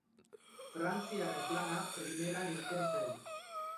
Frantziarren plana primeran irten zen.